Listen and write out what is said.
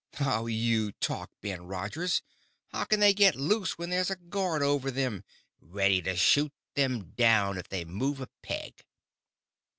"How you talk, Ben Rogers. How can they get loose when there's a guard over them, ready to shoot them down if they move a peg?"